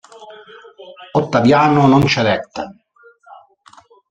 Ottaviano non cedette.